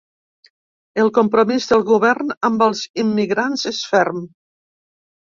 El compromís del govern amb els immigrants és ferm.